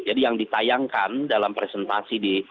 jadi yang ditayangkan dalam presentasi